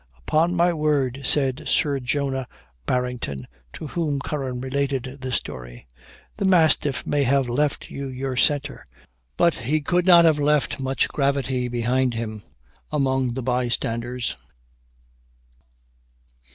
"Upon my word," said Sir Jonah Barrington, to whom Curran related this story, "the mastiff may have left you your centre, but he could not have left much gravity behind him, among the by standers."